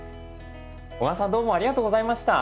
小川さんどうもありがとうございました。